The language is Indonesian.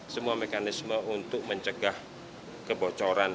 semua mekanisme untuk mencegah kebocoran